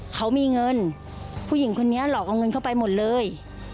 เขามีเงินผู้หญิงคนนี้หลอกเอาเงินเข้าไปหมดเลย